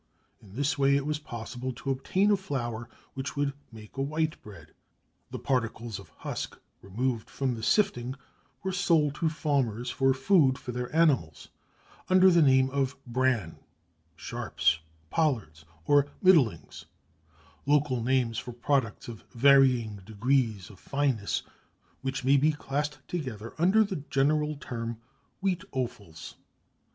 In this way it was possible to obtain a flour which would make a white bread. The particles of husk removed by the sifting were sold to farmers for food for their animals, under the name of bran, sharps, pollards, or middlings, local names for products of varying degrees of fineness, which may be classed together under the general term wheat offals.